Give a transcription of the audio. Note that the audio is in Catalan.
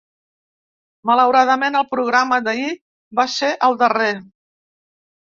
Malauradament el programa d’ahir va ser el darrer.